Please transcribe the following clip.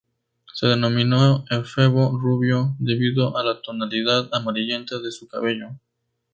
Se denominó efebo rubio debido a la tonalidad amarillenta de su cabello.